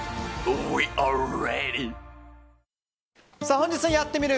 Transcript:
本日の「やってみる。」